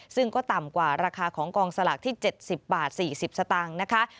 ซึ่งก็ต่ำกว่าราคาของกองสลากที่๗๐บาท๔๐สตางค์นะคะ